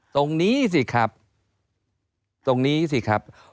ตรงนี้สิครับ